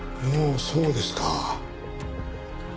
ほうそうですか。